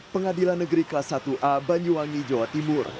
pengadilan negeri kelas satu a banyuwangi jawa timur